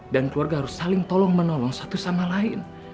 dan keluarga harus saling tolong menolong satu sama lain